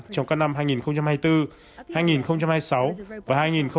trong các năm hai nghìn hai mươi bốn hai nghìn hai mươi sáu và hai nghìn hai mươi năm